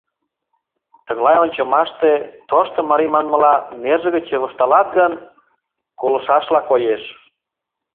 Тыглай ончымаште, тошто марий манмыла, нерже гыч чывышталат гын, колышашла коеш.